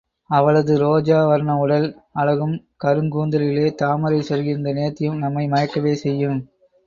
அவளது ரோஜா வர்ண உடல் அழகும், கருங் கூந்தலிலே தாமரை சொருகியிருக்கும் நேர்த்தியும் நம்மை மயக்கவே செய்யும்.